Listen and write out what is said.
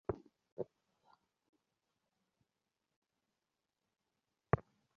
ভাবছি কী ছুতো করে বিদায় নিলে আমাকে বিদায় দিতে আপনাদের ভদ্রতায় বাধবে না।